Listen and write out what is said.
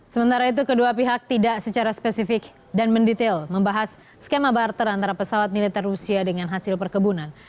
sementara itu kedua pihak tidak secara spesifik dan mendetail membahas skema barter antara pesawat militer rusia dengan hasil perkebunan